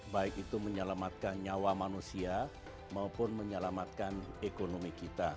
baik itu menyelamatkan nyawa manusia maupun menyelamatkan ekonomi kita